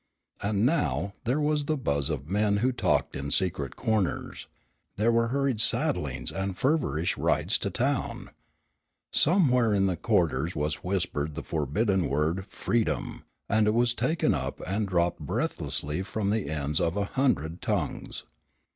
And now there was the buzz of men who talked in secret corners. There were hurried saddlings and feverish rides to town. Somewhere in the quarters was whispered the forbidden word "freedom," and it was taken up and dropped breathlessly from the ends of a hundred tongues.